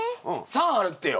３あるってよ。